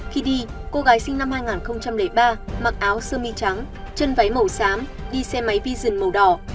khi đi cô gái sinh năm hai nghìn ba mặc áo sơ mi trắng chân váy màu xám đi xe máy vision màu đỏ